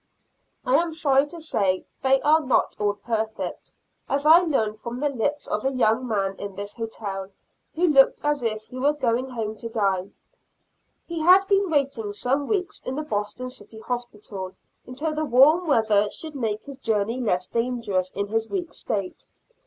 I am sorry to say they are not all perfect, as I learned from the lips of a young man in this hotel, who looked as if he were going home to die. He had been waiting some weeks in the Boston City Hospital, until the warm weather should make his journey less dangerous in his weak state.